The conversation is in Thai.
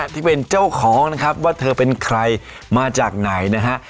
ที่เป็นเจ้าของนะครับว่าเธอเป็นใครมาจากไหนนะฮะ